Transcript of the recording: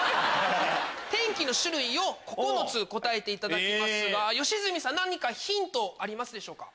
天気の種類を９つ答えていただきますが良純さん何かヒントありますでしょうか？